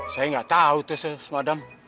saya gak tau teh sesmadam